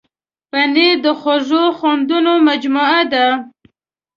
پنېر د خوږو خوندونو مجموعه ده.